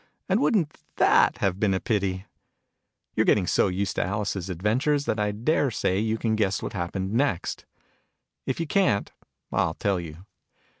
And wouldn't that have been a pity ? You're getting so used to Alice's Adventures, that I daresay you can guess what happened next ? If you can't, I'll tell you.